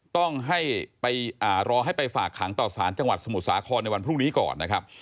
ต้องให้ไปรอให้ไปฝากขังต่อสารจังหวัดสมุทรสาครในวันพรุ่งนี้ก่อนนะครับ